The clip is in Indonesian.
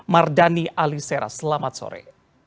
mardhani alisera selamat sore